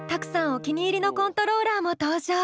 お気に入りのコントローラーも登場！